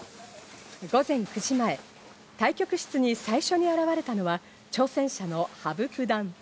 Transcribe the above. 午前９時前、対局室に最初に現れたのは挑戦者の羽生九段。